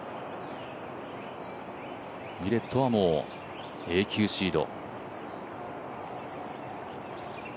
ウィレットは永久シード。